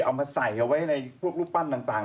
เอามาใส่เอาไว้ในพวกรูปปั้นต่าง